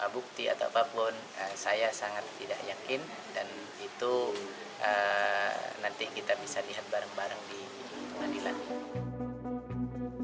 dan itu nanti kita bisa lihat bareng bareng di pengadilan